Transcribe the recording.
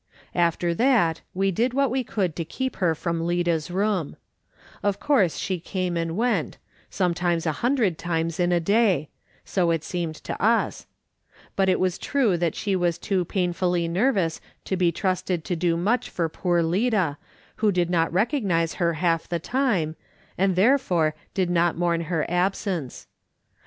After that we did what we could to keep her from Lida's room, Of course she came and went, some "/ IfAl^M Td StAV' dUTSfDE A^D iVAlTr 16$ times a hundred times in a day — so it seemed to us — but it was true that she was too painfully nervous to be trusted to do much for poor Lida, who did not recognise her half the time, and therefore did not mourn her absence.